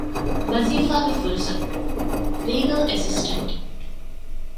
ވަޒިފާގެ ފުރުސަތު - ލީގަލް އެސިސްޓަންޓް